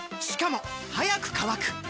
しかも速く乾く！